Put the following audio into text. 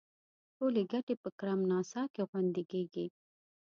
ټولې ګټې په کرم ناسا کې خوندي کیږي.